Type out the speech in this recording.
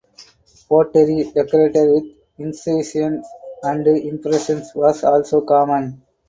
Pottery decorated with incisions and impressions was also common.